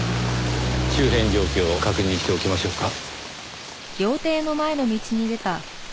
周辺状況を確認しておきましょうか。